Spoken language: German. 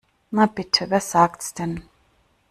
Na bitte, wer sagt's denn?